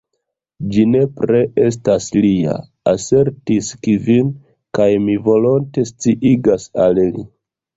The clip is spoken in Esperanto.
"Ĝi nepre estas lia," asertis Kvin, "kaj mi volonte sciigas al li.